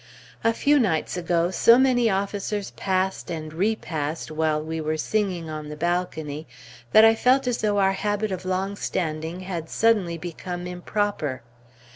A few nights ago, so many officers passed and repassed while we were singing on the balcony, that I felt as though our habit of long standing had suddenly become improper.